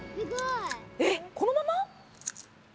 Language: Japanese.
えっこのまま？